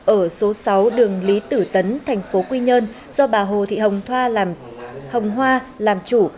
ở số sáu đường lý tử tấn thành phố quy nhơn do bà hồ thị hồng thoa làm hồng hoa làm chủ